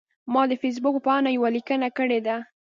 ما د فیسبوک په پاڼه یوه لیکنه کړې ده.